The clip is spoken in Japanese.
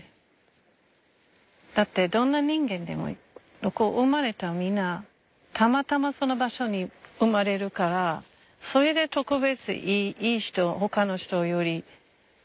だってどんな人間でも生まれたみんなたまたまその場所に生まれるからそれで特別いい人ほかの人より上とか何でそれあるの？